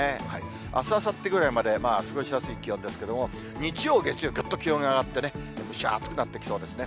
あす、あさってぐらいまで過ごしやすい気温ですけれども、日曜、月曜、ぐっと気温が上がって蒸し暑くなってきそうですね。